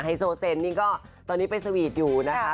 โซเซนนี่ก็ตอนนี้ไปสวีทอยู่นะคะ